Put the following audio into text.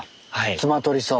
ツマトリソウ。